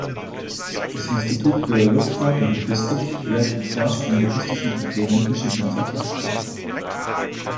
Das "Institut für Luftfahrt und Logistik" lehrt und forscht an logistischen Problemen verschiedener Verkehrsträger.